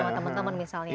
sama temen temen misalnya